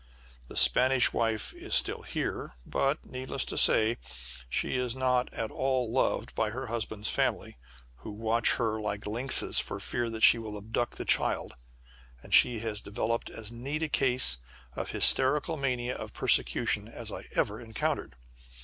The Spanish wife is still here, but, needless to say, she is not at all loved by her husband's family, who watch her like lynxes for fear she will abduct the child, and she has developed as neat a case of hysterical mania of persecution as I ever encountered.